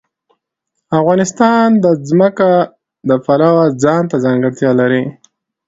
افغانستان د ځمکه د پلوه ځانته ځانګړتیا لري.